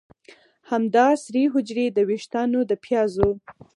همدا سرې حجرې د ویښتانو د پیازو